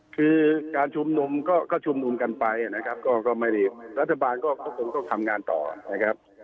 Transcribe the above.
คือการชุมนุมก็ชุมนุมกันไปนะครับก็ไม่ได้รัฐบาลก็คงต้องทำงานต่อนะครับ